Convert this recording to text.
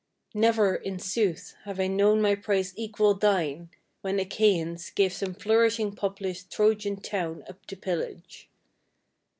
Never, in sooth, have I known my prize equal thine when Achaians Gave some flourishing populous Trojan town up to pillage.